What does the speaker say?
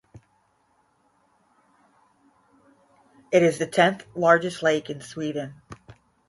It is the tenth largest lake in Sweden.